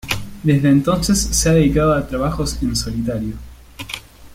Desde entonces, se ha dedicado a trabajos en solitario.